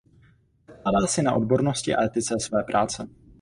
Zakládá si na odbornosti a etice své práce.